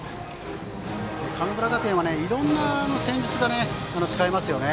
神村学園はいろんな戦術が使えますよね。